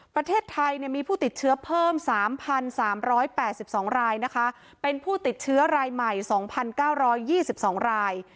ประเทศไทยเนี่ยมีผู้ติดเชื้อเพิ่มสามพันสามร้อยแปดสิบสองรายนะคะเป็นผู้ติดเชื้อรายใหม่สองพันเก้าร้อยยี่สิบสองราย